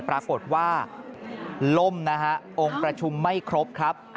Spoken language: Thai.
ปรากฏว่าล่มนะฮะองค์ประชุมไม่ครบครับ